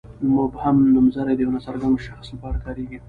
مبهم نومځري د یوه ناڅرګند شخص لپاره کاریږي.